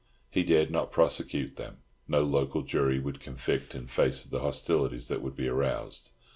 He dared not prosecute them. No local jury would convict in face of the hostility that would be aroused.